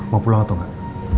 mau pulang atau enggak